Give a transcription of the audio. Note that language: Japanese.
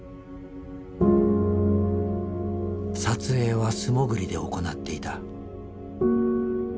撮影は素潜りで行っていた。